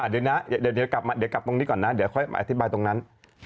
เดี๋ยวนะเดี๋ยวกลับตรงนี้ก่อนนะเดี๋ยวค่อยมาอธิบายตรงนั้น